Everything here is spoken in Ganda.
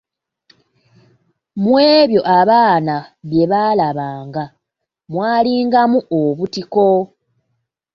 Mu ebyo abaana bye baalabanga, mwalingamu obutiko.